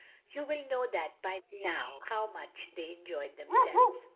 You will know by that how much they enjoyed themselves.